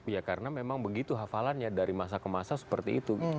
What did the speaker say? ya karena memang begitu hafalannya dari masa ke masa seperti itu